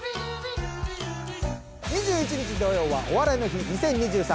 ２１日土曜は「お笑いの日２０２３」